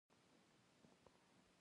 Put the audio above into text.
شېرمحمد وویل چې څراغ بل کړه.